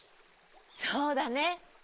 そうだね。